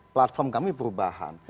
platform kami perubahan